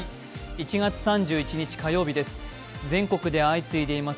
１月３１日火曜日です。